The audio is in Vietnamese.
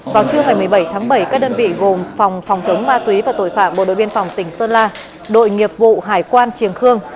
vào trưa ngày một mươi bảy tháng bảy các đơn vị gồm phòng phòng chống ma túy và tội phạm bộ đội biên phòng tỉnh sơn la đội nghiệp vụ hải quan triềng khương